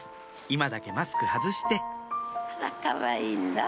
今だけマスク外してかわいいんだ。